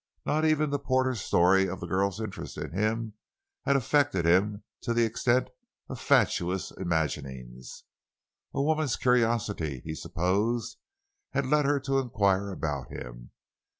Not even the porter's story of the girl's interest in him had affected him to the extent of fatuous imaginings. A woman's curiosity, he supposed, had led her to inquire about him.